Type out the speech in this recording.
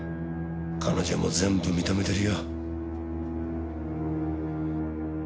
彼女も全部認めてるよ。